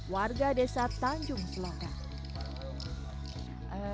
warga desa tanjung selangor